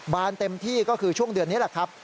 เต็มที่ก็คือช่วงเดือนนี้แหละครับ